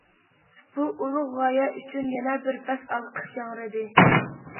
بۇ ئۇلۇغ غايە ئۈچۈن، يەنە بىر پەس ئالقىش ياڭرىدى.